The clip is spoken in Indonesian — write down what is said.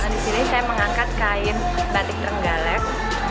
di sini saya mengangkat kain batik trenggalek